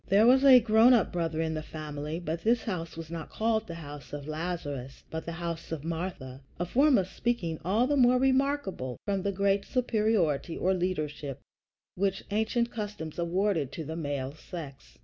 There was a grown up brother in the family; but this house is not called the house of Lazarus, but the house of Martha a form of speaking the more remarkable from the great superiority or leadership which ancient customs awarded to the male sex.